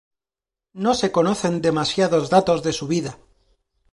No se conocen demasiados datos de su vida.